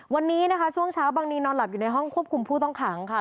วันนี้นะคะช่วงเช้าบางนีนอนหลับอยู่ในห้องควบคุมผู้ต้องขังค่ะ